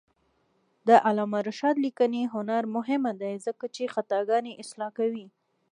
د علامه رشاد لیکنی هنر مهم دی ځکه چې خطاګانې اصلاح کوي.